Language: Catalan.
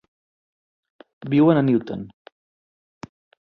Viuen a Newton.